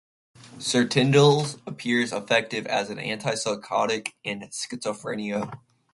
Sertindole appears effective as an antipsychotic in schizophrenia.